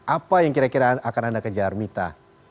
apa yang kira kira akan anda kejar mita